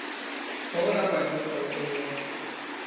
所有為我做嘅嘢